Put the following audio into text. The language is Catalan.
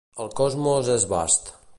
El cosmos és vast.